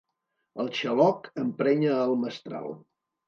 El xaloc emprenya el mestral.